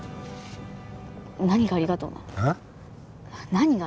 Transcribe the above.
何がありがとうなの？